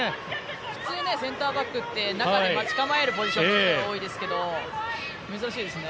普通センターバックって中で待ち構えるポジション取りが多いですけど珍しいですね。